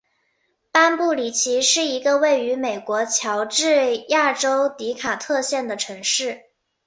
班布里奇是一个位于美国乔治亚州迪卡特县的城市。